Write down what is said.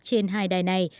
trên hai đài này